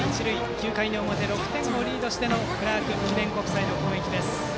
９回の表、６点リードしてのクラーク記念国際の攻撃です。